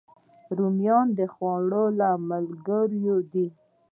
رومیان د خوړو له ملګرو دي